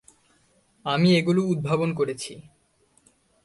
আমি এগুলো উদ্ভাবন করেছি।